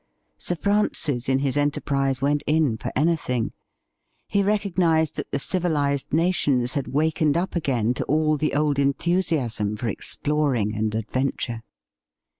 Sir Francis in his enterprise went in for anything. He recognised that the civilized nations had wakened up again to all the old enthusiasm for ex ploring and adventure.